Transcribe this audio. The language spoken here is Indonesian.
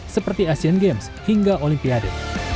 seperti asian games hingga olimpiade